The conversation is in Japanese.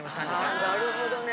あなるほどね。